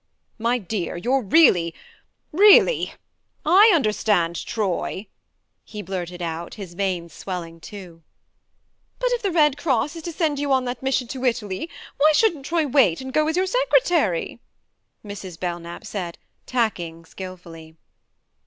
"My dear, you're really really / understand Troy!" he blurted out, his veins swelling too. "But if the Red Cross is to send you on that mission to Italy, why shouldn't Troy wait and go as your secretary ?" Mrs. Belknap said, tacking skilfully.